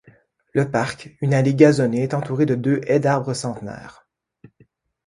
Le parc, une allée gazonnée est entourée de deux haies d'arbres centenaires.